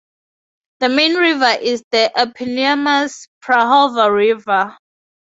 The main river is the eponymous Prahova River.